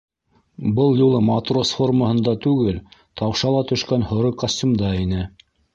Был юлы матрос формаһында түгел, таушала төшкән һоро костюмда ине.